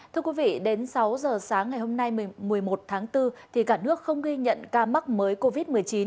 thưa quý vị đến sáu giờ sáng ngày hôm nay một mươi một tháng bốn thì cả nước không ghi nhận ca mắc mới covid một mươi chín